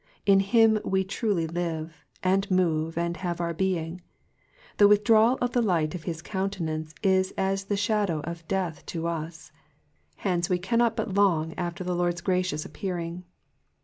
In him we truly live, and move, and have our being ; the withdrawal of the light of his coun tenance is as the shadow of death to us : hence we cannot but long after the Lord's gracious appearing.